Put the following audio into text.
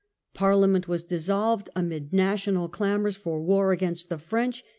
Parliament was dissolved amid national clamour^ for war against the French.